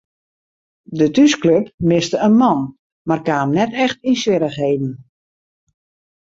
De thúsklup miste in man mar kaam net echt yn swierrichheden.